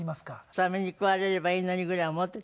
サメに食われればいいのにぐらい思っていたのね。